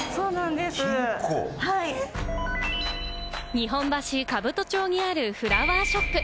日本橋兜町にあるフラワーショップ。